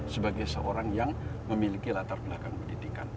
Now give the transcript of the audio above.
sebagai seorang yang memiliki latar belakang pendidikan